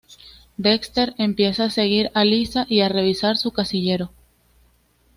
Dexter empieza a seguir a Lisa y a revisar su casillero.